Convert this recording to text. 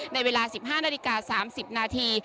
ในเวลา๑๕นาฬิกา๓๐นาที